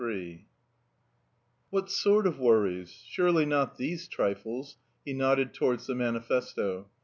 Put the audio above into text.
III "What sort of worries? Surely not these trifles?" He nodded towards the manifesto.